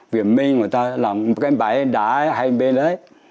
viên minh của ta làm cái bãi đá hay bên đấy